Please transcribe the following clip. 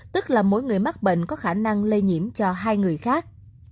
tức là mỗi người mắc bệnh có khả năng lây nhiễm cho hai người khác